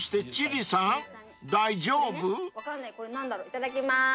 いただきます。